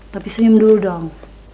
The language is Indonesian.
tapi senyum dulu dong